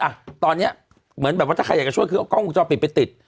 อ่ะตอนเนี้ยเหมือนแบบว่าถ้าใครอยากจะช่วยคือเอากล้องวงจรปิดไปติด